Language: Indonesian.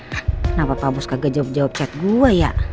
kenapa bapak abos kagak jawab jawab chat gue ya